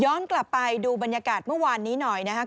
กลับไปดูบรรยากาศเมื่อวานนี้หน่อยนะครับ